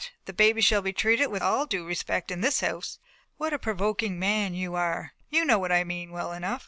The baby shall be treated with all due respect in this house." "What a provoking man you are! You know what I mean well enough."